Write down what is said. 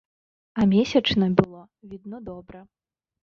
А месячна было, відно добра.